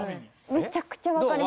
めちゃくちゃ分かりますどう？